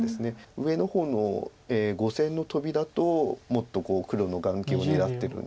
上の方の５線のトビだともっと黒の眼形を狙ってるんですけれど。